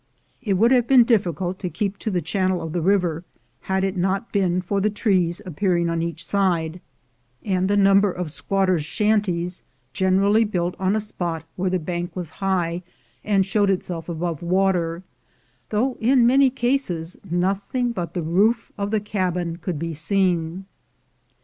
It would have been difficult to keep to the chan nel of the river, had it not been for the trees appear ing; on each side, and the numbers of squatters' shan 266 THE GOLD HUNTERS ties generally built on a spot where the bank was high and showed itself above water, though in many cases nothing but the roof of the cabin could be seen.